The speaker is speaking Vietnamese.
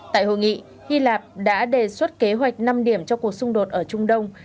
tại hội nghị hy lạp đã đề xuất kế hoạch năm điểm cho cuộc xung đột ở trung đông